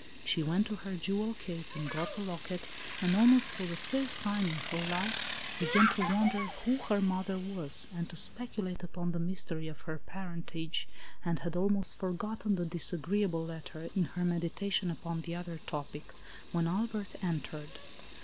She went to her jewel case and got the locket, and, almost for the first time ie her life, began ALICE : OR, THE WAGES OF SIN. 101 to wonder who her mother was, and to speculate upon the mystery of her parentage, and had al most forgotten the disagreeable letter, in her meditation upon the other topic, when Albert en tered.